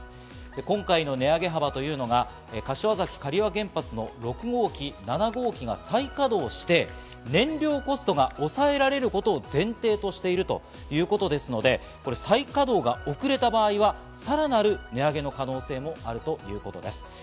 今回の値上げ幅というのが柏崎刈羽原発の６号機、７号機が再稼働して、燃料コストが抑えられることを前提としているということですので、再稼働が遅れた場合は、さらなる値上げの可能性もあるということです。